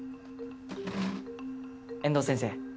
遠藤先生。